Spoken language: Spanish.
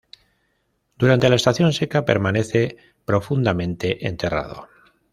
Durante la estación seca permanece profundamente enterrado.